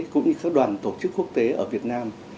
cũng như các đoàn tổ chức quốc tế ở việt nam